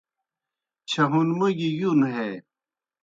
چھہُونموگیْ یُون ہے